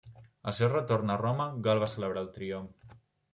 Al seu retorn a Roma Gal va celebrar el triomf.